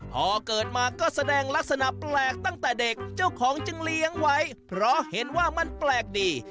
พอเกิดมาก็แสดงลักษณะแปลกตั้งแต่เด็กเจ้าของจึงเลี้ยงไว้เพราะเห็นว่ามันแปลกดี